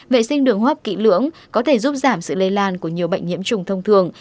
vệ sinh đường hấp kỹ lưỡng có thể giúp giảm sự lây lan của nhiều bệnh nhiễm trùng thông thường